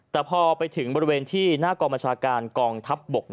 แต่พอไปถึงบริเวณที่หน้ากองบัญชาการกองทัพบก